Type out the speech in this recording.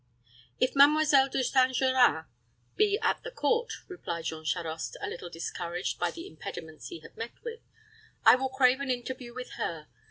"If Mademoiselle De St. Geran be at the court," replied Jean Charost, a little discouraged by the impediments he had met with, "I will crave an interview with her.